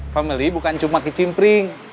family bukan cuma ke cimpring